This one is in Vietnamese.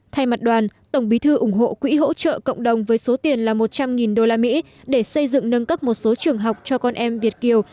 thay mặt đoàn tổng bí thư ủng hộ quỹ hỗ trợ cộng đồng với số tiền là một trăm linh usd để xây dựng nâng cấp một số trường học cho con em việt kiều